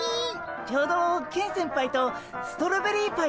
ちょうどケン先輩とストロベリーパイ作ってたんですよ。